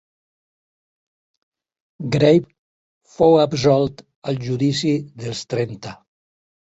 Grave fou absolt al "Judici dels trenta".